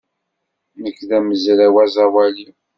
Nekk d amezraw aẓawali.